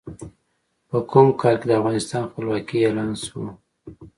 په کوم کال کې د افغانستان خپلواکي اعلان شوه؟